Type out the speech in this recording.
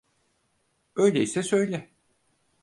Öyleyse söyle.